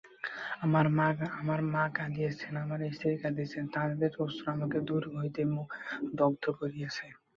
আমার মা কাঁদিতেছেন, আমার স্ত্রী কাঁদিতেছে–তাঁহাদের অশ্রু আমাকে দূর হইতে দগ্ধ করিতেছে।